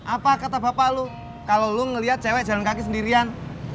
apa kata bapak lu kalau lu ngelihat cewek jalan kaki sendirian